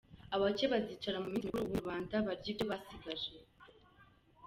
Abake bazicara mu minsi mikuru, ubundi rubanda barye ibyo basigaje.